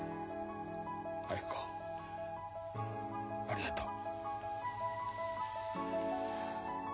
明子ありがとう。